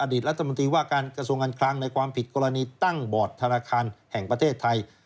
รัฐมนตรีว่าการกระทรวงการคลังในความผิดกรณีตั้งบอร์ดธนาคารแห่งประเทศไทย